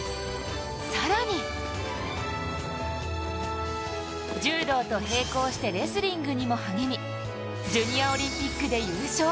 更に柔道と並行してレスリングにも励みジュニアオリンピックで優勝。